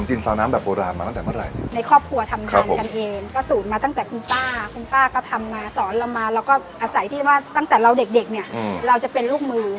เราเด็กเราจะเป็นลูกมือ